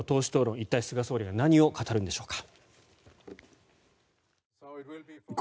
一体、菅総理が何を語るんでしょうか。